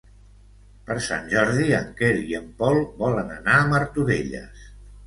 Per Sant Jordi en Quer i en Pol volen anar a Martorelles.